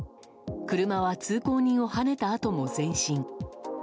車は通行人をはねたあとも前進。